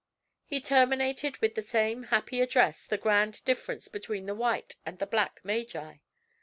He terminated with the same happy address the grand difference between the white and the black magi.